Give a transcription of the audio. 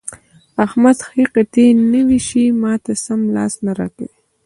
احمد ښې قطعې نه وېشي؛ ما ته سم لاس نه راکوي.